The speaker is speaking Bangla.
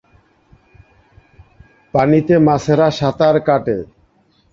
মুক্তিযুদ্ধে অংশগ্রহণকারী সকল মুক্তিযোদ্ধারাই ছিলেন আসল দেশপ্রেমিক।